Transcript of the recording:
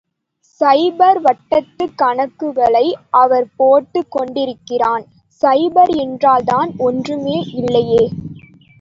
சைபர் வட்டத்துக் கணக்குகளை அவர் போட்டுக் கொண்டிருக்கிறான். சைபர் என்றால்தான் ஒன்றுமில்லையே.